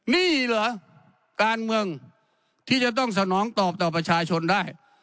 นี่เหรอการเมืองที่จะต้องสนองตอบต่อประชาชนได้